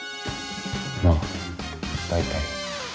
まあ大体。